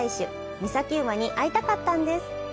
御崎馬に会いたかったんです。